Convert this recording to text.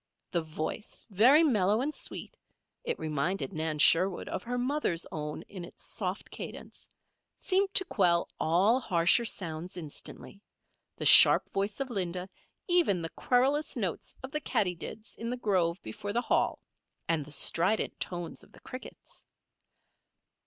The voice, very mellow and sweet (it reminded Nan Sherwood of her mother's own in its soft cadence) seemed to quell all harsher sounds instantly the sharp voice of Linda, even the querulous notes of the katydids in the grove before the Hall, and the strident tones of the crickets.